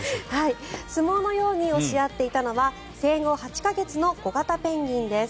相撲のように押し合っていたのは生後８か月のコガタペンギンです。